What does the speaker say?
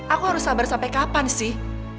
aku harus sabar sampai kapan sih